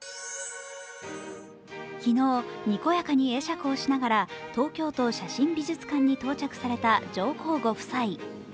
昨日、にこやかに会釈をしながら東京都写真美術館に到着された上皇ご夫妻。